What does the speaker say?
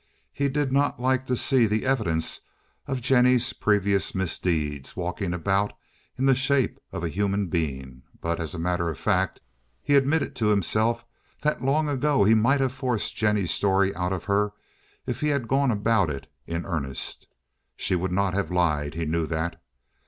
He did not like to see the evidence of Jennie's previous misdeeds walking about in the shape of a human being; but, as a matter of fact, he admitted to himself that long ago he might have forced Jennie's story out of her if he had gone about it in earnest. She would not have lied, he knew that.